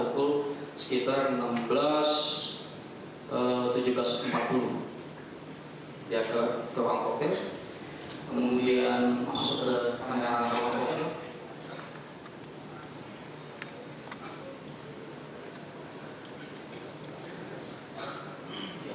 kemudian masuk ke kamera ruang kopil